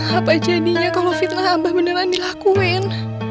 apa jadinya kalau fitnah abah beneran dilakuin